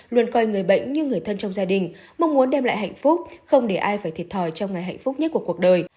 luôn coi người bệnh như người thân trong gia đình mong muốn đem lại hạnh phúc không để ai phải thiệt thòi trong ngày hạnh phúc nhất của cuộc đời